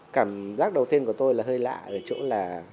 cảm giác đầu tiên của tôi là hơi lạ ở chỗ là